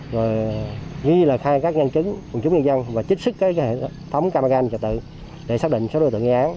rồi ghi là khai các nhân chứng quần chúng nhân dân và chích sức cái hệ thống camera gai hành trợ tự để xác định số đối tượng gây án